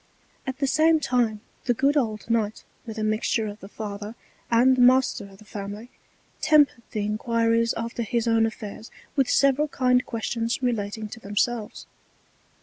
At the same time the good old Knight, with a Mixture of the Father and the Master of the Family, tempered the Enquiries after his own Affairs with several kind Questions relating to themselves.